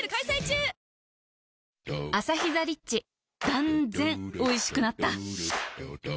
断然おいしくなった